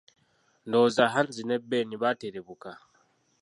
Ndowooza Hands ne Ben baaterebuka.